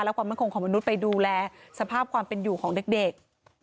และความมั่นคงของมนุษย์ไปดูแลสภาพความเป็นอยู่ของเด็ก